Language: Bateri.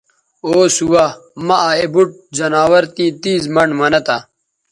او سُوہ مہ آ اے بُوٹ زناور تیں تیز منڈ منہ تہ